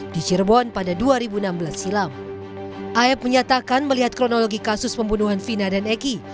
wakil ketua lpsk susi laning tias mengatakan pertemuan aep dengan lpsk sejauh ini masih dalam tahap diskusi